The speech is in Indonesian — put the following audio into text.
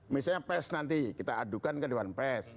misalnya pes nanti kita adukan ke dewan pes